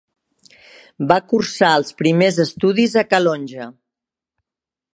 Va cursar els primers estudis a Calonge.